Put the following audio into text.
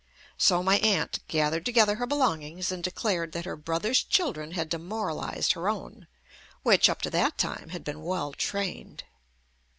So my aunt gathered together her belongings and declared that her brother's children had demoralized her own, which, up to that time, had been well trained.